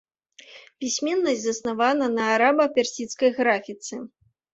Пісьменнасць заснавана на араба-персідскай графіцы.